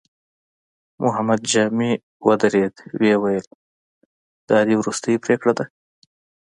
محمد جامي ودرېد، ويې ويل: دا دې وروستۍ پرېکړه ده؟